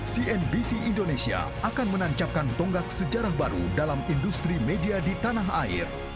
cnbc indonesia akan menancapkan tonggak sejarah baru dalam industri media di tanah air